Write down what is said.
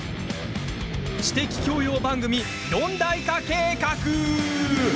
知的教養番組「四大化計画」。